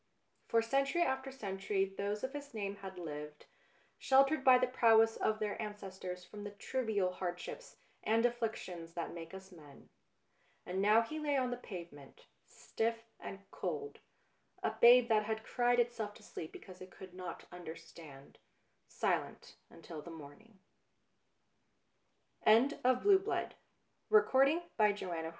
For century after century those of his name had lived, sheltered by the prowess of their ancestors from the trivial hardships and afflictions that make us men. And now he lay on the pave ment, stiff and cold, a babe that had cried itself to sleep because it could not understand, sile